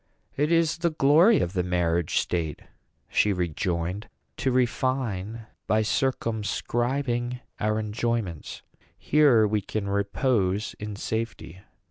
"It is the glory of the marriage state," she rejoined, "to refine by circumscribing our enjoyments. Here we can repose in safety.